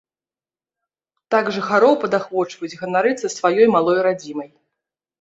Так жыхароў падахвочваюць ганарыцца сваёй малой радзімай.